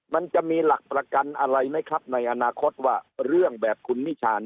มันจะมีหลักประกันอะไรไหมครับในอนาคตว่าเรื่องแบบคุณนิชา